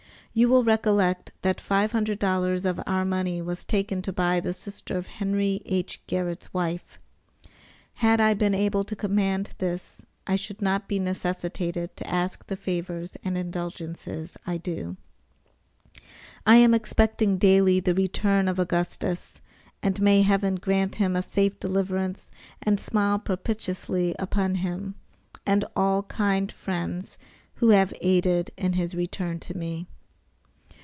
You will recollect that five hundred dollars of our money was taken to buy the sister of Henry H. Garnett's wife. Had I been able to command this I should not be necessitated to ask the favors and indulgences I do. I am expecting daily the return of Augustus, and may Heaven grant him a safe deliverance and smile propitiously upon you and all kind friends who have aided in his return to me.